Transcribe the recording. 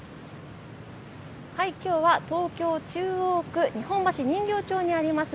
きょうは東京中央区日本橋人形町にあります